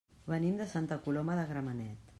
Venim de Santa Coloma de Gramenet.